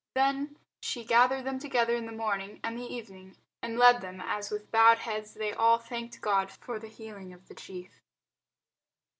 Then she gathered them together in the morning and evening, and led them as with bowed heads they all thanked God for the healing of the chief.